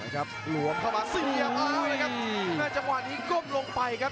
หลวมเข้ามาเสียบเอาเลยครับหน้าจังหวะนี้ก้มลงไปครับ